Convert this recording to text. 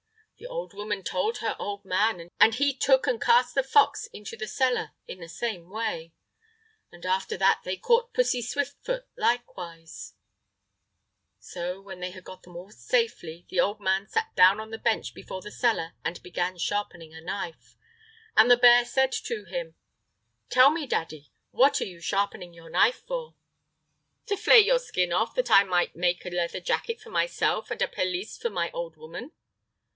The old woman told her old man, and he took and cast the fox into the cellar in the same way. And after that they caught Pussy Swiftfoot likewise. Footnote 5: The hare. So when he had got them all safely the old man sat down on a bench before the cellar and began sharpening a knife. And the bear said to him: "Tell me, daddy, what are you sharpening your knife for?" "To flay your skin off, that I may make a leather jacket for myself and a pelisse for my old woman."